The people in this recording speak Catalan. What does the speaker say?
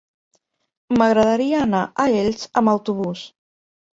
M'agradaria anar a Elx amb autobús.